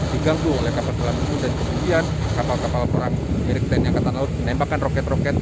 diganggu oleh kapal selam itu dan kemudian kapal kapal perang milik tni angkatan laut menembakkan roket roket